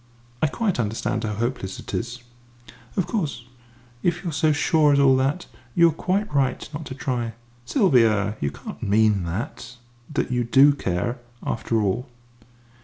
I quite understand how hopeless it is." "Of course, if you are so sure as all that, you are quite right not to try." "Sylvia! You can't mean that that you do care, after all?"